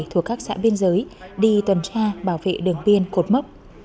thuộc các xã biên giới đi tuần tra bảo vệ đường biên cột mốc